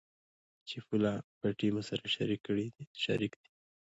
چې پوله، پټي مو سره شريک دي.